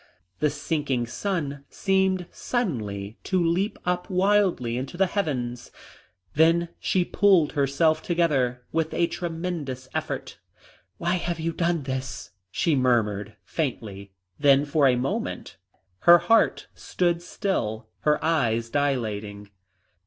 The sinking sun seemed suddenly to leap up wildly into the heavens; then she pulled herself together with a tremendous effort. "Why have you done this?" she murmured faintly. Then for a moment her heart stood still, her eyes dilating.